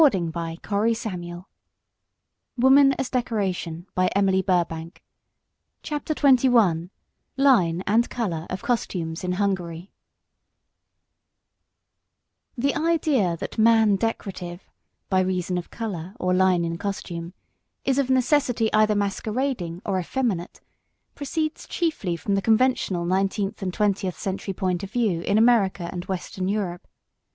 [Illustration: Mrs. Vernon Castle Costumed à la Guerre for a Walk] CHAPTER XXI LINE AND COLOUR OF COSTUMES IN HUNGARY The idea that man decorative, by reason of colour or line in costume, is of necessity either masquerading or effeminate, proceeds chiefly from the conventional nineteenth and twentieth century point of view in America and western Europe.